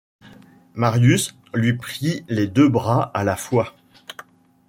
Marius lui prit les deux bras à la fois.